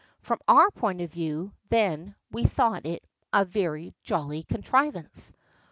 From our point of view, then, we thought it a very jolly contrivance.